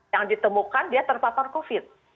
yang ditemukan dia terpapar covid